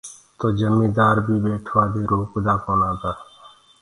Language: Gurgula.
تو جميٚندآر بيٚ ٻيٽوآ دي روڪدآ ڪونآ تآ۔